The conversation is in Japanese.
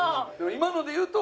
今のでいうと。